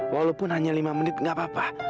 walaupun hanya lima menit gak apa apa